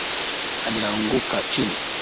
Alianguka chini